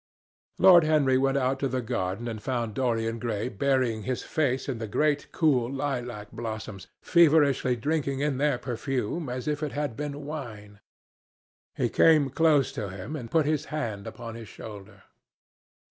Lord Henry went out to the garden and found Dorian Gray burying his face in the great cool lilac blossoms, feverishly drinking in their perfume as if it had been wine. He came close to him and put his hand upon his shoulder.